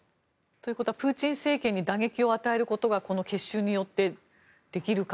ということはプーチン政権に打撃を与えることはこの結集によってできるか。